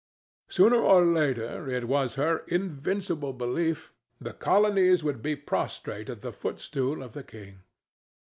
Sooner or later, it was her invincible belief, the colonies would be prostrate at the footstool of the king.